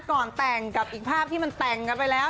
ก่อนแต่งกับอีกภาพที่มันแต่งกันไปแล้ว